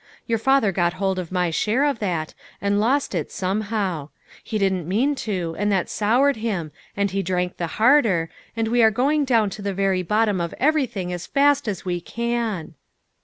Your father got hold of my share of that, and lost it somehow. He didn't mean to, and that soured him, and he drank the harder, and we are going down to the very bottom of everything as fast as we can."